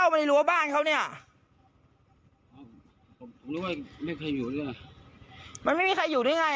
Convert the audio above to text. พี่ขอโอกาสที่ครั้งหน้า